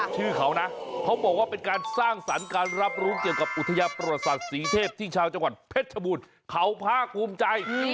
ชื่อเขานะเขาบอกว่าเป็นการสร้างสรรค์การรับรู้เกี่ยวกับอุทยาประวัติศาสตร์ศรีเทพที่ชาวจังหวัดเพชรชบูรณ์เขาภาคภูมิใจ